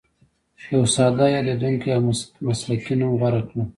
یو ساده، یادېدونکی او مسلکي نوم غوره کړه.